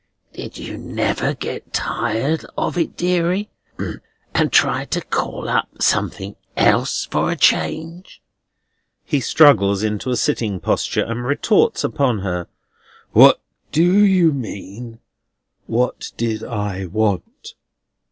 "Did you never get tired of it, deary, and try to call up something else for a change?" He struggles into a sitting posture, and retorts upon her: "What do you mean? What did I want?